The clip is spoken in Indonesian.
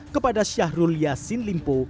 kepada syahrul yassin dimpu